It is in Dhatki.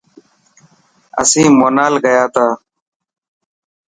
اسين مونال گياتا.